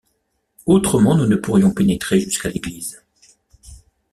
Autrement nous ne pourrions pénétrer jusqu’à l’église.